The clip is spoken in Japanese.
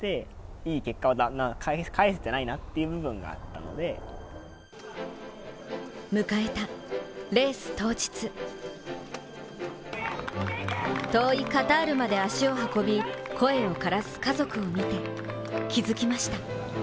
そのわけとは迎えたレース当日、遠いカタールまで足を運び声を枯らす家族を見て、気づきました。